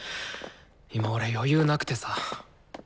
今俺余裕なくてさ。